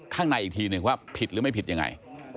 ข้างในอีกทีหนึ่งว่าผิดหรือไม่ผิดยังไง